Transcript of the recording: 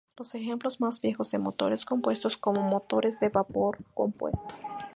Los ejemplos más viejos de motores compuestos son motores de vapor compuesto.